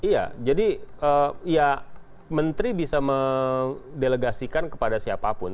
iya jadi ya menteri bisa mendelegasikan kepada siapapun